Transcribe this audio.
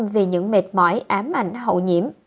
vì những mệt mỏi ám ảnh hậu nhiễm